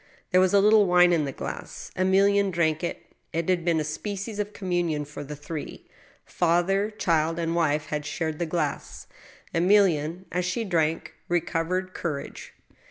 There was a little wine in the glass. Emilienne drank it. It had been a species of communion for the three : father, child, and wife had shared the glass. Emilienne, as she drank, recovered courage.